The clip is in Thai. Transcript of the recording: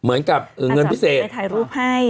เหมือนกับเอ่อเงินพิเศษทายรูปให้เออ